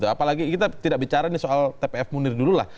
apalagi kita tidak bicara ini soal tpf munir dulu lah